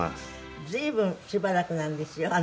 随分しばらくなんですよ。